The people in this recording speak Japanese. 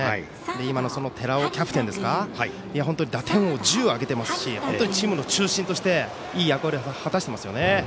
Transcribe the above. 今の寺尾キャプテン打点を１０挙げていますしチームの中心としていい役割を果たしていますよね。